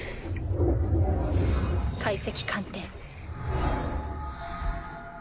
解析鑑定。